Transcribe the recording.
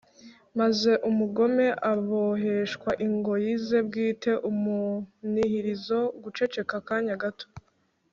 maze umugome aboheshwa ingoyi ze bwite. (umunihirizo, guceceka akanya gato